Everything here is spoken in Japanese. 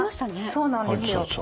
そうなんですよ。